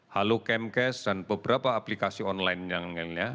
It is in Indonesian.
halo camcast dan beberapa aplikasi online yang lainnya